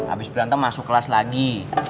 habis berantem masuk kelas lagi